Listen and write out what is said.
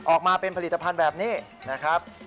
ออกมาเป็นผลิตภัณฑ์แบบนี้นะครับ